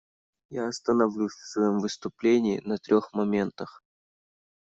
Я остановлюсь в своем выступлении на трех моментах.